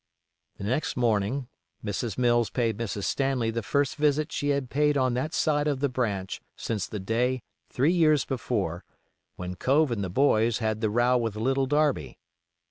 The next morning Mrs. Mills paid Mrs. Stanley the first visit she had paid on that side the branch since the day, three years before, when Cove and the boys had the row with Little Darby.